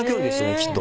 きっと。